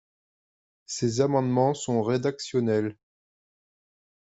Ces amendements sont rédactionnels.